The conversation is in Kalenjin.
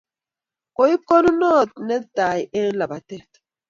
Koip konunot ne tai eng' labatetm